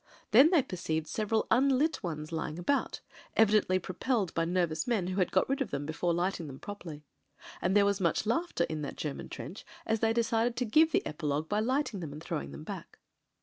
Then they perceived several unlit ones lying about — evidently pro pelled by nervous men who had got rid of them be fore lighting them properly. And there was much laughter in that German trench as they decided to give the epilogue by lighting them and throwing them back.